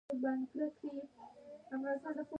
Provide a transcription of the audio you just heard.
شیرین بویه صادریږي.